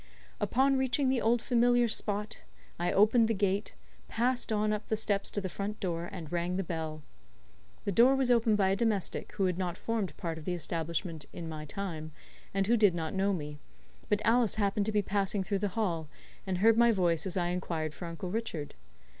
Upon reaching the old familiar spot, I opened the gate passed on up the steps to the front door, and rang the bell. The door was opened by a domestic who had not formed part of the establishment in my time, and who did not know me; but Alice happened to be passing through the hall, and heard my voice as I inquired for Uncle Richard.